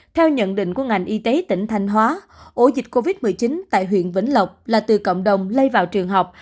theo nhận định của ngành y tế tỉnh thanh hóa ổ dịch covid một mươi chín tại huyện vĩnh lộc là từ cộng đồng lây vào trường học